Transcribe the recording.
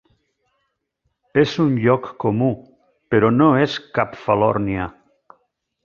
És un lloc comú, però no és cap falòrnia.